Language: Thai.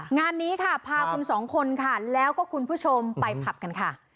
งานนี้ค่ะพาคุณสองคนค่ะแล้วก็คุณผู้ชมไปผับกันค่ะ